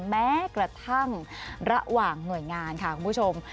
แม้กระทั่งระหว่างหน่วยงานค่ะคุณผู้ชม